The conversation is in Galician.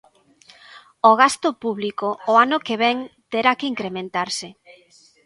O gasto público o ano que vén terá que incrementarse.